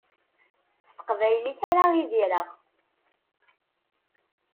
S teqbaylit ara idireɣ.